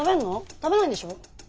食べないんでしょ？